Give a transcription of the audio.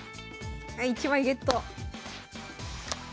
はい１枚ゲット！